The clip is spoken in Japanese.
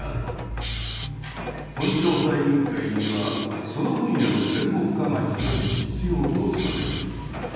本調査委員会にはその分野の専門家が１人必要とされる。